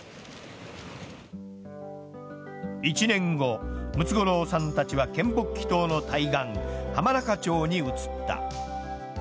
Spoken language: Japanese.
１年後、ムツゴロウさんたちは嶮暮帰島の対岸浜中町に移った。